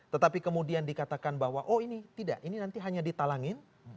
tetapi kemudian dikatakan bahwa oh ini tidak ini nanti hanya ditalangin